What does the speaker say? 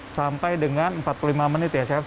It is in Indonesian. sampai dengan empat puluh lima menit ya chef